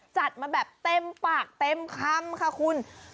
จัดมาแบบเต็มปากเต็มคำค่ะคุณ